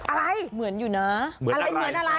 อะไรเหมือนอยู่นะอะไรเหมือนอะไร